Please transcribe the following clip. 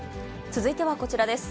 続いてはこちらです。